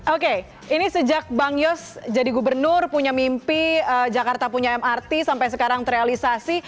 oke ini sejak bang yos jadi gubernur punya mimpi jakarta punya mrt sampai sekarang terrealisasi